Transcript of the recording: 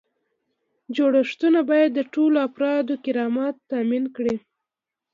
جوړښتونه باید د ټولو افرادو کرامت تامین کړي.